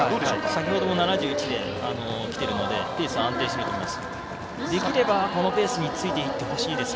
先ほども７１秒できているのでペース安定しています。